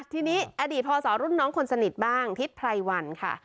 ทีนี้อดีตพศรุ่นน้องคนสนิทบ้างทิศไพรวันค่ะ